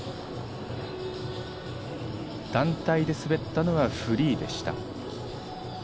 団体で滑ったのはフリーでした。